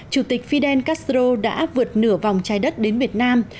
chủ tịch fidel castro đã vượt nửa vòng trái đất đến việt nam